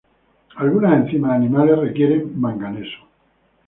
Algunas enzimas animales requieren manganeso.